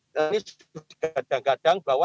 ini digadang gadang bahwa